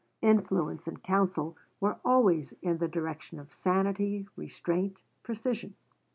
Influence and counsel were always in the direction of sanity, restraint, precision.